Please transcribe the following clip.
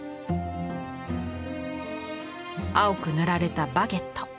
青く塗られたバゲット。